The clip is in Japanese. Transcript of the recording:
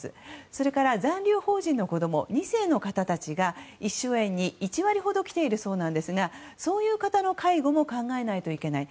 それから、残留邦人の子供２世の方たちが一笑苑に１割ほど来ているそうなんですがそういう方の介護も考えないといけない。